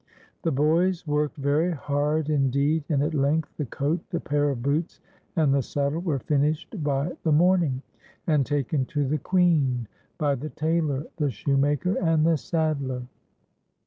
The boys worked very hard indeed, and at length the coat, the pair of boots, and the saddle were finished by the morning, and taken to the Queen, by the tailor, the shoemaker, and the saddler.